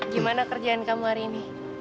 gimana kerjaan kamu hari ini